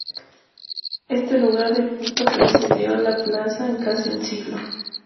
Este lugar de culto precedió a la plaza en casi un siglo.